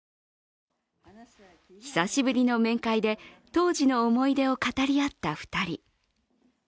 久しぶりの面会で、当時の思い出を語り合った２人。